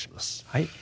はい。